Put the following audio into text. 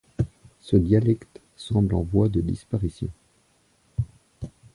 Ce dialecte semble en voie de disparition.